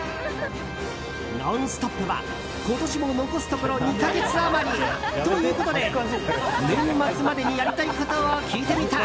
「ノンストップ！」は今年も残すところ２か月余りということで、年末までにやりたいことを聞いてみた。